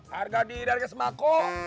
harga diri dari kesemakoh